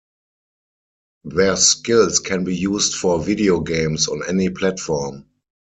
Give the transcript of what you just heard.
Their skills can be used for video games on any platform.